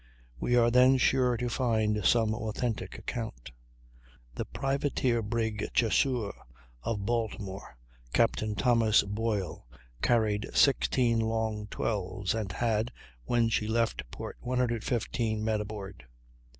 We are then sure to find some authentic account. The privateer brig Chasseur, of Baltimore, Captain Thomas Boyle, carried 16 long 12's, and had, when she left port, 115 men aboard.